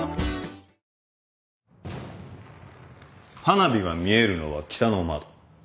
花火が見えるのは北の窓。